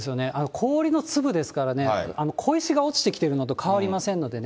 氷の粒ですからね、小石が落ちてきているのと変わりませんのでね。